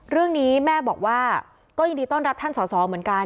เรื่องนี้แม่บอกว่าก็ยินดีต้อนรับท่านสอสอเหมือนกัน